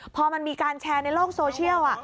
พอมันมีการแชร์ในโลกโซเชียล